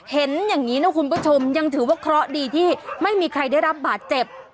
เห็นอย่างนี้นะคุณผู้ชมยังถือว่าเคราะห์ดีที่ไม่มีใครได้รับบาดเจ็บ